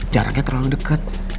jarangnya terlalu deket